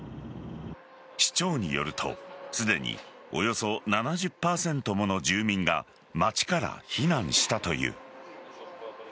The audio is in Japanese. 市長によるとすでにおよそ７０％もの住民が街から避難したという。